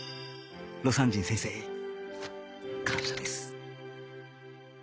魯山人先生感謝です